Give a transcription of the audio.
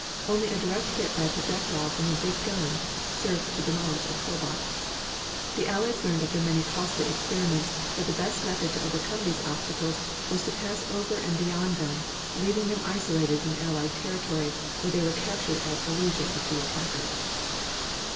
Only a direct hit by a projectile from a big gun served to demolish a "pill box." The Allies learned after many costly experiments that the best method to overcome these obstacles was to pass over and beyond them, leaving them isolated in Allied territory, where they were captured at the leisure of the attackers.